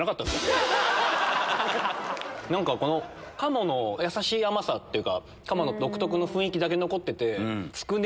何か鴨のやさしい甘さっていうか鴨の独特の雰囲気だけ残ってて。